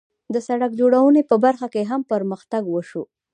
د سړک جوړونې په برخه کې هم پرمختګ وشو.